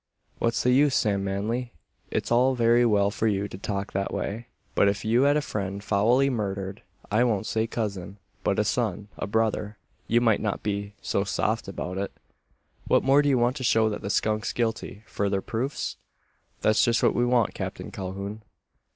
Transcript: "What's the use, Sam Manly? It's all very well for you to talk that way; but if you had a friend foully murdered I won't say cousin, but a son, a brother you might not be so soft about it. What more do you want to show that the skunk's guilty? Further proofs?" "That's just what we want, Captain Calhoun."